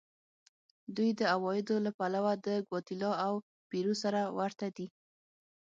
دوی د عوایدو له پلوه د ګواتیلا او پیرو سره ورته دي.